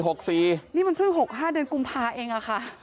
นี่มันเพิ่ง๖๕เดือนกุมภาเองอะค่ะ